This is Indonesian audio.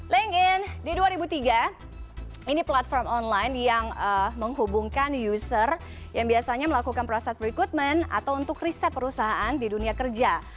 link in di dua ribu tiga ini platform online yang menghubungkan user yang biasanya melakukan proses recruitment atau untuk riset perusahaan di dunia kerja